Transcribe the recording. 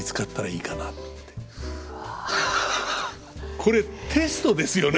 これテストですよね。